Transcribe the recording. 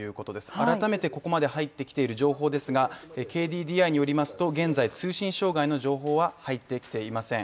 改めてここまで入ってきている情報ですがＫＤＤＩによりますと現在、通信障害の情報は入ってきていません。